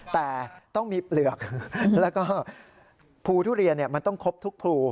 แต่ต้องมีเปลือกแล้วก็ภูทุเรียนมันต้องครบทุกภู